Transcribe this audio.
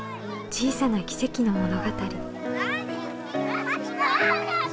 小さな奇跡の物語。